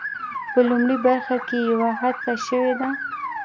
په لومړۍ برخه کې یوه هڅه شوې ده.